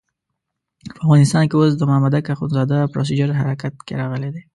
په افغانستان کې اوس د مامدک اخندزاده پروسیجر حرکت کې راغلی.